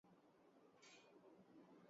کیا دنیا میں الرجی واقعی بڑھ رہی ہے